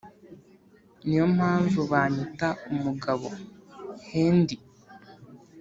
niyo mpamvu banyita umugabo handy